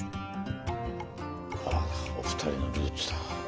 ああお二人のルーツだ。